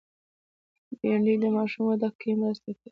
بېنډۍ د ماشوم وده کې مرسته کوي